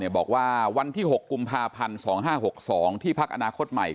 บอกว่าวันที่๖กุมภาพันธ์๒๕๖๒ที่พักอนาคตใหม่